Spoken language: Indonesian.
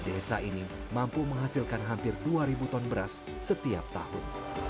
desa ini mampu menghasilkan hampir dua ribu ton beras setiap tahun